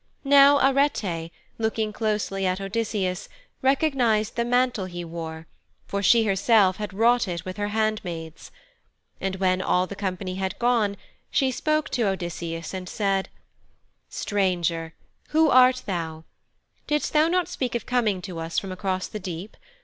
Now Arete, looking closely at Odysseus, recognized the mantle he wore, for she herself had wrought it with her handmaids. And when all the company had gone she spoke to Odysseus and said: 'Stranger, who art thou? Didst thou not speak of coming to us from across the deep?